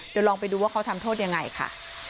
เดี๋ยวลองไปดูว่าเขาทำโทษยังไงค่ะ